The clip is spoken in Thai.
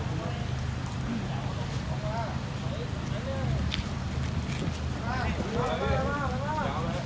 สวัสดีครับสวัสดีครับ